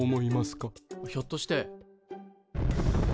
ひょっとして。